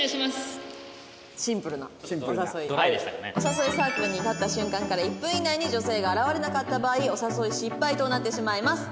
お誘いサークルに立った瞬間から１分以内に女性が現れなかった場合お誘い失敗となってしまいます。